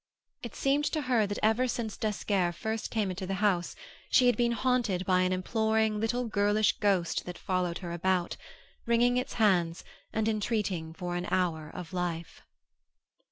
It seemed to her that ever since d'Esquerre first came into the house she had been haunted by an imploring little girlish ghost that followed her about, wringing its hands and entreating for an hour of life.